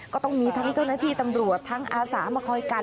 ก็ต้องมีทั้งเจ้าหน้าที่ตำรวจทั้งอาสามาคอยกัน